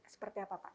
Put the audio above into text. seperti apa pak